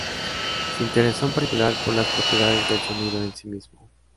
Se interesó en particular por las propiedades del sonido en sí mismo.